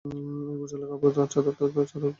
এই গোছলের কাপড় আর চাদরটা ছাড়া তো পরার মতো কিছুই নেই।